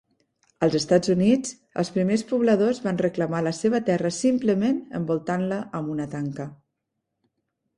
Als Estats Units, els primers pobladors van reclamar la seva terra simplement envoltant-la amb una tanca.